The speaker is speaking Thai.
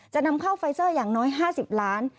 จะนำเข้าไฟเซอร์อย่างน้อย๕๐ล้าน